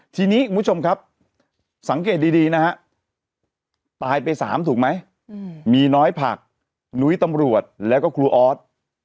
ที่นี่สังเกตดีนะฮะป่ายไป๓ถูกไหมมีน้อยผักนุ้ยตำรวจแล้วก็ครูออส